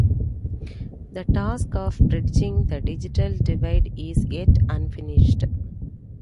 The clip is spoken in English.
The task of bridging the digital divide is yet unfinished.